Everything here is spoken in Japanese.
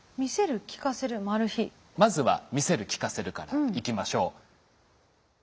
まずは「見せる」「聞かせる」からいきましょう。